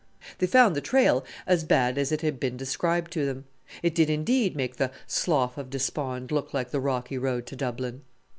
They found the trail as bad as it had been described to them. It did indeed make the "slough of despond" look like the rocky road to Dublin.